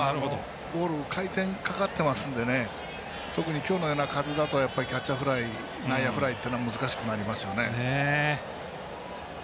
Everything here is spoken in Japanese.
ボール、回転かかってますので特に今日のような風だとキャッチャーフライ内野フライというのは難しくなりますね。